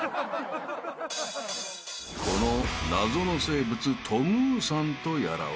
［この謎の生物トムーさんとやらは］